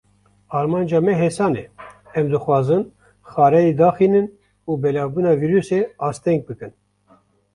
Armanca me hêsan e, em dixwazin xareyê daxînin, û belavbûna vîrusê asteng bikin.